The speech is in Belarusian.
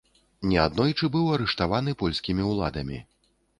Неаднойчы быў арыштаваны польскімі ўладамі.